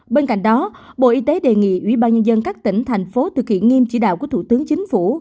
bên cạnh đó bộ y tế đề nghị ubnd các tỉnh thành phố thực hiện nghiêm chỉ đạo của thủ tướng chính phủ